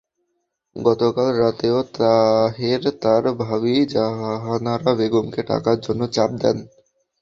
গতকাল রাতেও তাহের তাঁর ভাবি জাহানারা বেগমকে টাকার জন্য চাপ দেন।